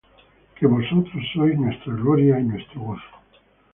Que vosotros sois nuestra gloria y gozo.